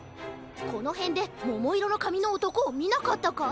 このへんでももいろのかみのおとこをみなかったか？